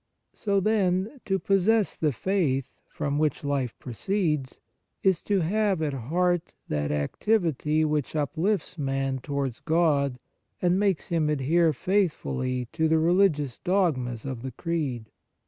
So, then, to possess the faith, from which life proceeds, is to have at heart that activity which uplifts man towards God and makes him adhere faithfully to the religious dogmas of the Creed.